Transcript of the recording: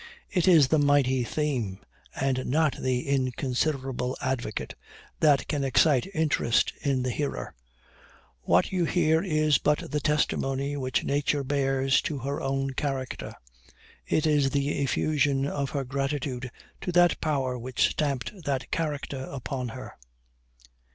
It is the mighty theme, and not the inconsiderable advocate, that can excite interest in the hearer: what you hear is but the testimony which nature bears to her own character; it is the effusion of her gratitude to that power which stamped that character upon her."